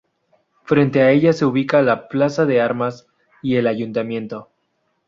Frente a ella se ubica la ""plaza de Armas"" y el Ayuntamiento.